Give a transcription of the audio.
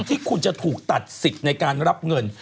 ที่คุณจะถูกตัดสิทธิ์ในการรับเงิน